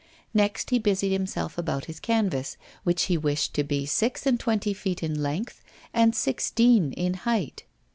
Next he busied himself about his canvas, which he wished to be six and twenty feet in length and sixteen in height.